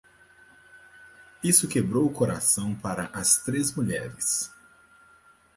Isso quebrou o coração para as três mulheres.